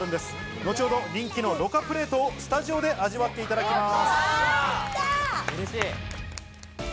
後ほど人気の、ろかプレートをスタジオで味わっていただきます。